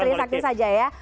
terima kasih saja ya